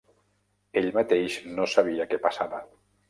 Ell mateix no sabia què passava.